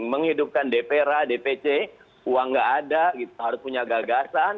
menghidupkan dpra dpc uang nggak ada harus punya gagasan